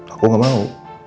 aku gak mau